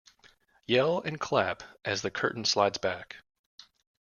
Yell and clap as the curtain slides back.